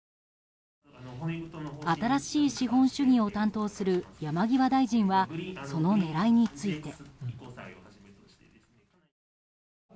新しい資本主義を担当する山際大臣はその狙いについて。